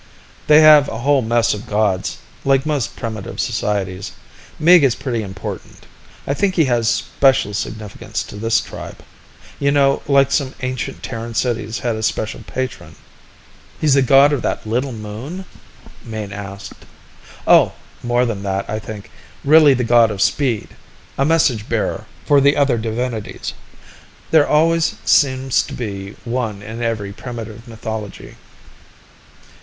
"They have a whole mess of gods, like most primitive societies. Meeg is pretty important. I think he has a special significance to this tribe ... you know, like some ancient Terran cities has a special patron." "He's the god of that little moon?" Mayne asked. "Oh, more than that, I think. Really the god of speed, a message bearer for the other divinities. There always seems to be one in every primitive mythology."